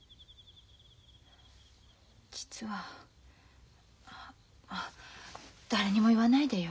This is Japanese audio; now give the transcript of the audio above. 実は誰にも言わないでよ。